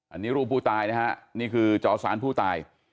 อันนี้รูปผู้ตายนะฮะนี่คือจอสานผู้ตาย